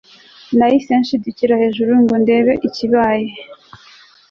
Nahise nshidukira hejuru ngo ndebe ikibaye